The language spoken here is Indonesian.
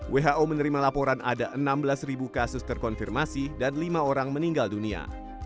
who menerima laporan ada enam belas kasus terkonfirmasi dan lima orang meninggal dunia